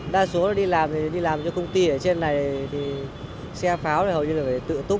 đa số là đi làm thì đi làm cho công ty ở trên này thì xe pháo thì hầu như là phải tự túc